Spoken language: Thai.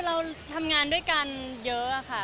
เราทำงานด้วยกันเยอะค่ะ